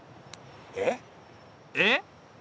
えっ？えっ？